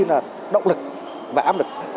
là động lực và áp lực